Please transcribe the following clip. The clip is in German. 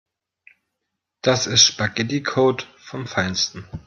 Das ist Spaghetticode vom Feinsten.